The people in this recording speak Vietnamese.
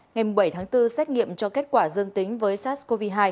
ngày bảy tháng bốn xét nghiệm cho kết quả dương tính với sars cov hai